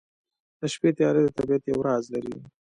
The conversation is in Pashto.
د شپې تیاره د طبیعت یو راز لري.